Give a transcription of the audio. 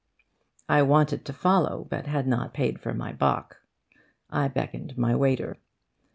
I wanted to follow, but had not paid for my bock. I beckoned my waiter.